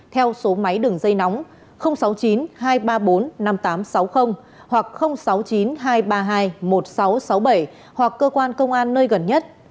theo số máy đường dây nóng sáu mươi chín hai trăm ba mươi bốn năm nghìn tám trăm sáu mươi hoặc sáu mươi chín hai trăm ba mươi hai một nghìn sáu trăm sáu mươi bảy hoặc cơ quan công an nơi gần nhất